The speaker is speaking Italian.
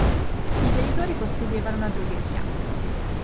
I genitori possedevano una drogheria.